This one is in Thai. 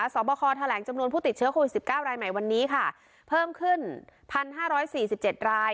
สอบขอแถลงจำนวนผู้ติดเชื้อโควิดสิบเก้ารายใหม่วันนี้ค่ะเพิ่มขึ้นพันห้าร้อยสี่สิบเจ็ดราย